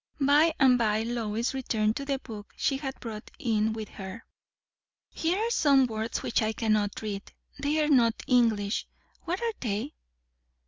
By and by Lois returned to the book she had brought in with her. "Here are some words which I cannot read; they are not English. What are they?"